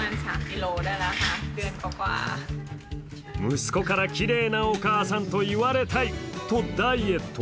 息子からきれいなお母さんと言われたいとダイエット。